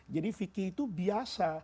jadi fikih itu biasa